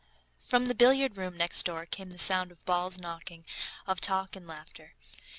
From the billiard room next door came the sound of balls knocking, of talk and laughter.